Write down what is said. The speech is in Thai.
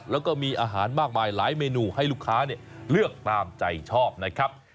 แล้วก็มีอาหารมากมายหลายเมนูให้ลูกค้าเลือกตามใจชอบนะครับ